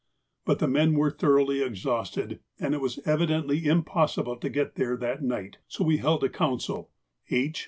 But the men were thoroughly exhausted, and it was evidently impossible to get there that night, so we held a council. H.